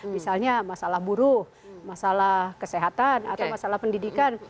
misalnya masalah buruh masalah kesehatan atau masalah pendidikan